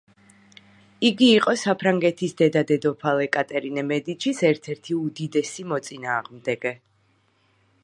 იგი იყო საფრანგეთის დედა დედოფალ ეკატერინე მედიჩის ერთ-ერთი უდიდესი მოწინააღმდეგე.